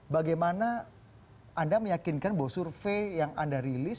bagaimana anda meyakinkan bahwa survei yang anda rilis